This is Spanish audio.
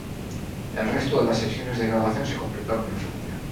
El resto de las sesiones de grabación se completaron en Francia.